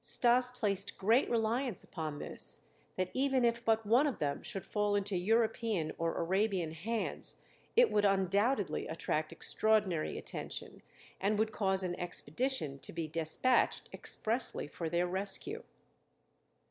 Stas placed great reliance upon this, that even if but one of them should fall into European or Arabian hands it would undoubtedly attract extraordinary attention and would cause an expedition to be despatched expressly for their rescue.